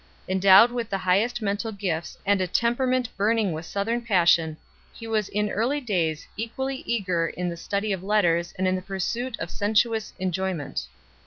Endowed with the highest mental gifts and a temperament burning with Southern passion, he was in early days equally eager in the study of letters and in the pursuit of sensuous enjoy ment.